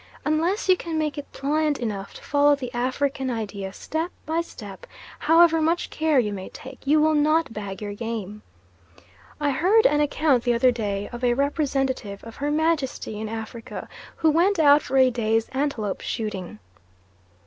Unless you can make it pliant enough to follow the African idea step by step, however much care you may take, you will not bag your game. I heard an account the other day of a representative of Her Majesty in Africa who went out for a day's antelope shooting.